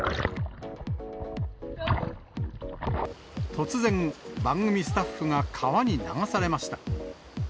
突然、番組スタッフが川に流されました。